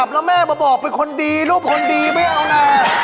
แล้วแม่มาบอกเป็นคนดีลูกคนดีไม่เอานะ